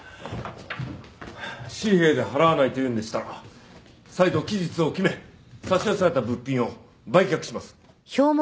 紙幣で払わないというんでしたら再度期日を決め差し押さえた物品を売却します。